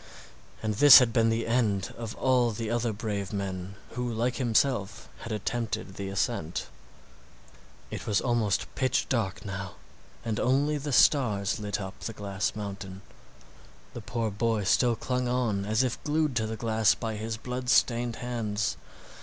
And this had been the end of all the other brave men who like himself had attempted the ascent. It was almost pitch dark now, and only the stars lit up the glass mountain. The poor boy still clung on as if glued to the glass by his blood stained hands.